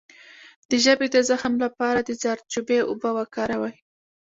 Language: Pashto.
د ژبې د زخم لپاره د زردچوبې اوبه وکاروئ